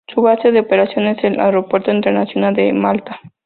Su base de operaciones es el Aeropuerto Internacional de Malta.